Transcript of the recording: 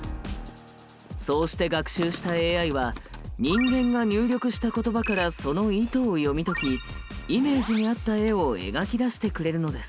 そうして学習したＡＩは人間が入力した言葉からその意図を読み解きイメージに合った絵を描き出してくれるのです。